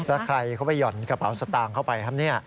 ถ้าใครเขาไปหย่อนกระเปร่าสตางค์เข้าไป